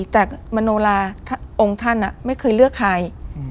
แต่มโนลาองค์ท่านไม่เคยเลือกใคร